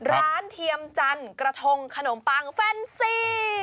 เทียมจันทร์กระทงขนมปังแฟนซี